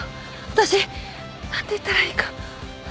私何て言ったらいいか。